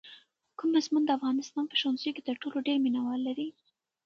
کوم مضمون د افغانستان په ښوونځیو کې تر ټولو ډېر مینه وال لري؟